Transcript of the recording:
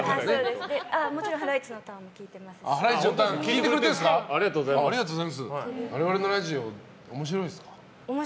もちろん「ハライチのターン！」も聞いてますし。